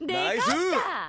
ナイス！